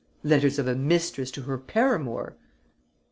"Letters of a mistress to her paramour."